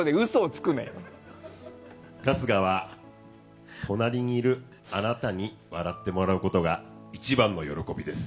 春日は、隣にいるあなたに笑ってもらうことが一番の喜びです。